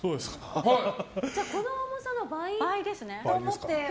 この重さの倍と思って。